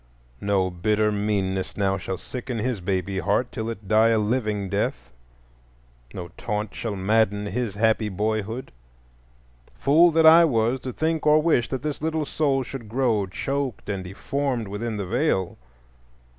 No bitter meanness now shall sicken his baby heart till it die a living death, no taunt shall madden his happy boyhood. Fool that I was to think or wish that this little soul should grow choked and deformed within the Veil!